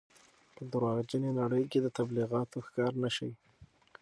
په درواغجنې نړۍ کې د تبلیغاتو ښکار نه شئ.